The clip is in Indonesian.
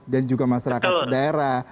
dan juga masyarakat daerah